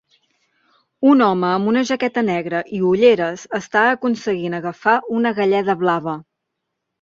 Un home amb una jaqueta negra i ulleres està aconseguint agafar una galleda blava.